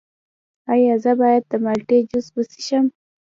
ایا زه باید د مالټې جوس وڅښم؟